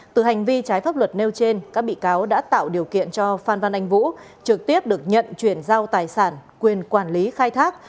từ hành vi trái pháp luật nêu trên các bị cáo đã tạo điều kiện cho phan văn anh vũ trực tiếp được nhận chuyển giao tài sản quyền quản lý khai thác